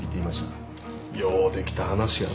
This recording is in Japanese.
ようできた話やの。